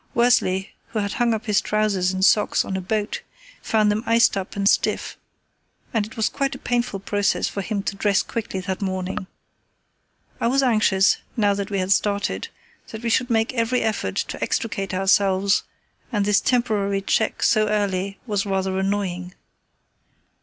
Worsley, who had hung up his trousers and socks on a boat, found them iced up and stiff; and it was quite a painful process for him to dress quickly that morning. I was anxious, now that we had started, that we should make every effort to extricate ourselves, and this temporary check so early was rather annoying.